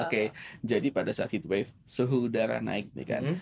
oke jadi pada saat heat wave suhu udara naik nih kan